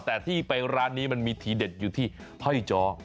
แต่ที่ไปร้านนี้มันมีทีเด็ดอยู่ที่ถ้อยจอ